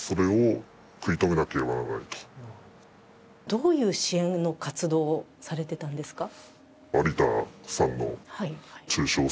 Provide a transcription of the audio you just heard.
どういう支援の活動をされていたんですか。